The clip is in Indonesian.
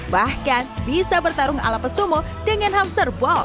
bahkan bisa bertarung ala pesomo dengan hamster ball